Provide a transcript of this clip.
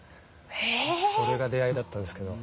それが出会いだったんですけど。